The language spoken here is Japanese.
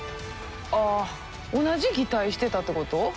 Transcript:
あっ同じ擬態してたってこと？